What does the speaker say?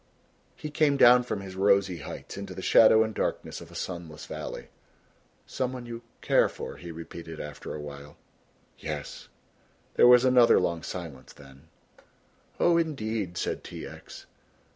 He came down from his rosy heights into the shadow and darkness of a sunless valley. "Some one you care for," he repeated after a while. "Yes." There was another long silence, then, "Oh, indeed," said T. X.